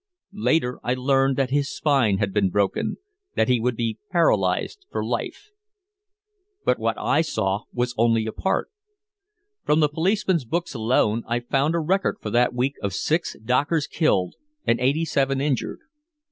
Later I learned that his spine had been broken, that he would be paralyzed for life. But what I saw was only a part. From the policemen's books alone I found a record for that week of six dockers killed and eighty seven injured.